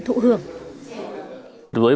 đối tượng thụ hưởng